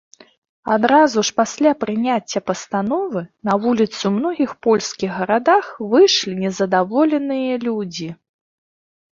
Адразу ж пасля прыняцця пастановы, на вуліцы ў многіх польскіх гарадах выйшлі незадаволеныя людзі.